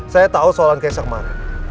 saya tahu soalan kees yang kemarin